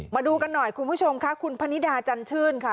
มาดูกันหน่อยคุณผู้ชมค่ะคุณพนิดาจันชื่นค่ะ